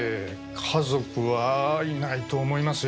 家族はいないと思いますよ。